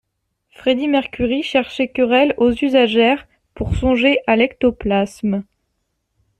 Freddie Mercury cherchait querelle aux usagères pour songer à l'ectoplasme.